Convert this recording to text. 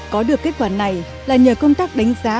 có được kết quả này là nhờ công tác đánh giá